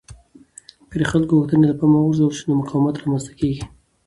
که د خلکو غوښتنې له پامه وغورځول شي نو مقاومت رامنځته کېږي